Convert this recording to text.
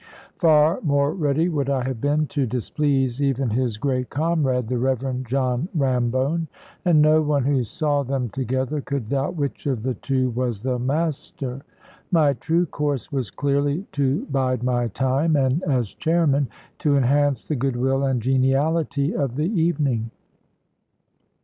Far more ready would I have been to displease even his great comrade, the Reverend John Rambone; and no one who saw them together could doubt which of the two was the master. My true course was clearly to bide my time, and, as chairman, to enhance the goodwill and geniality of the evening.